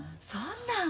そんな。